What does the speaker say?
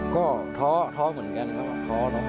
ก็ท้อเหมือนกันครับท้อนะครับ